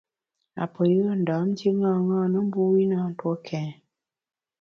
Apeyùe Ndam ndié ṅaṅâ na, mbu i na ntue kèn.